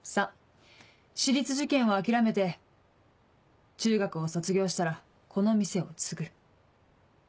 ３私立受験を諦めて中学を卒業したらこの店を継ぐ。